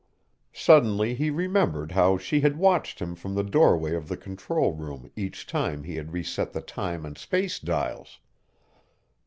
Suddenly he remembered how she had watched him from the doorway of the control room each time he had reset the time and space dials.